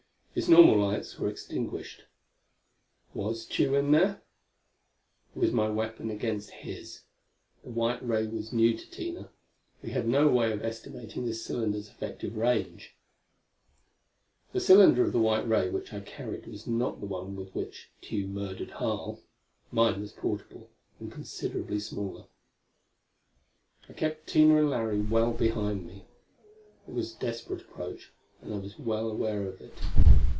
Its normal lights were extinguished. Was Tugh in there? It was my weapon against his. The white ray was new to Tina; we had no way of estimating this cylinder's effective range. [Footnote 3: The cylinder of the white ray which I carried was not the one with which Tugh murdered Harl. Mine was portable, and considerably smaller.] I kept Tina and Larry well behind me. It was a desperate approach, and I was well aware of it.